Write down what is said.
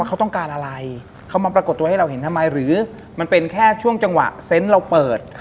เขาต้องการอะไรเขามาปรากฏตัวให้เราเห็นทำไมหรือมันเป็นแค่ช่วงจังหวะเซนต์เราเปิด